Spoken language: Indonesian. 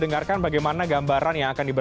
iya lesanya terima kasihwer